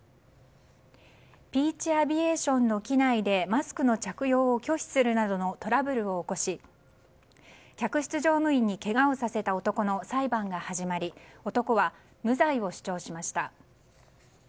ピーチ・アビエーションの機内でマスクの着用を拒否するなどのトラブルを起こし客室乗務員にけがをさせた男の裁判が始まり男は無罪を主張しました。